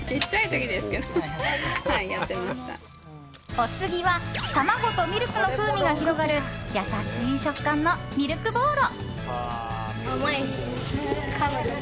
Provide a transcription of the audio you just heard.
お次は卵とミルクの風味が広がる優しい食感のミルクボーロ。